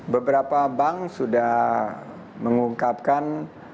beberapa bank sudah mengungkapkan